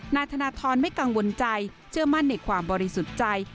นายธนทรไม่กังวลใจเชื่อมั่นในความบริสุทธิ์ใจ